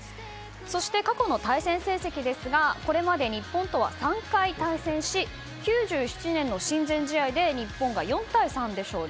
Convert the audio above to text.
そして、過去の対戦成績ですがこれまで日本とは３回対戦し、９７年の親善試合で日本が４対３で勝利。